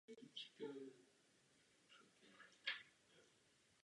Příčinou šíření je neustálý pohyb částic hmoty.